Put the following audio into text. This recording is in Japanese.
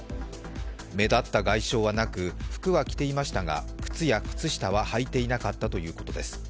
目立った外傷はなく服は着ていましたが靴や靴下は履いていなかったということです。